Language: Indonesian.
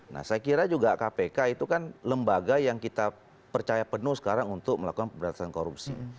nah saya kira juga kpk itu kan lembaga yang kita percaya penuh sekarang untuk melakukan pemberantasan korupsi